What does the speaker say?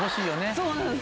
そうなんですよ。